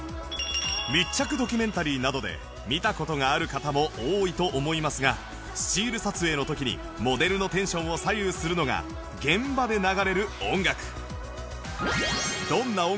密着ドキュメンタリーなどで見た事がある方も多いと思いますがスチール撮影の時にモデルのテンションを左右するのが現場で流れる音楽